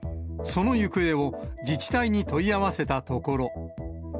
その行方を、自治体に問い合わせたところ。